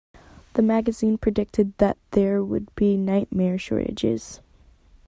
The magazine predicted that there would be nightmare shortages.